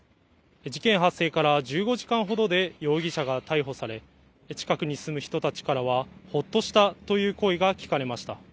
事件発生から１５時間ほどで容疑者が逮捕され近くに住む人たちからは、ほっとしたという声が聞かれました。